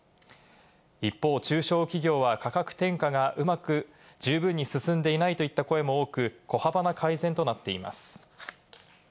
一方、中小企業は価格転嫁が十分に進んでいないといった声も多く、小幅な改善となっています。